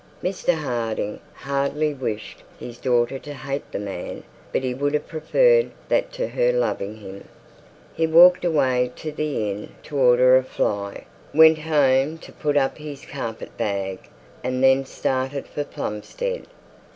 Mr Harding hardly wished his daughter to hate the man, but he would have preferred that to her loving him. He walked away to the inn to order a fly, went home to put up his carpet bag, and then started for Plumstead.